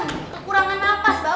kekurangan nafas bau